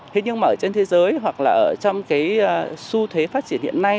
thế nhưng mà ở trên thế giới hoặc là trong su thế phát triển hiện nay